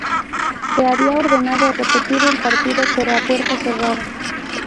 Se había ordenado repetir el partido pero a puerta cerrada.